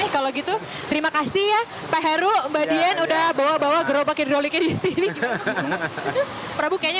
kalau gitu terima kasih ya pak heru mbak dian udah bawa bawa gerobak hidroliki di sini prabu kayaknya